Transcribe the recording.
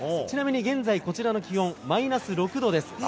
ちなみに現在こちらの気温はマイナス６度です。